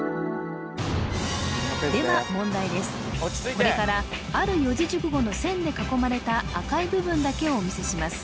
これからある四字熟語の線で囲まれた赤い部分だけをお見せします